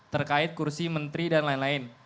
terkait kursi menteri dan lain lain